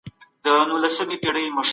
تاسو به د راتلونکي لپاره ښه پلانونه جوړوئ.